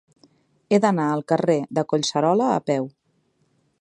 He d'anar al carrer de Collserola a peu.